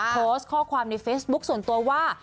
โพสต์ข้อความในเฟซบุ๊คส่วนตัวว่า